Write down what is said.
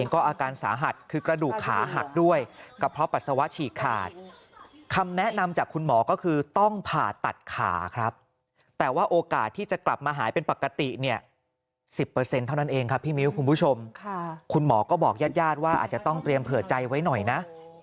ก็อาการสาหัสคือกระดูกขาหักด้วยกระเพาะปัสสาวะฉีกขาดคำแนะนำจากคุณหมอก็คือต้องผ่าตัดขาครับแต่ว่าโอกาสที่จะกลับมาหายเป็นปกติเนี่ย๑๐เท่านั้นเองครับพี่มิ้วคุณผู้ชมคุณหมอก็บอกญาติญาติว่าอาจจะต้องเตรียมเผื่อใจไว้หน่อยนะ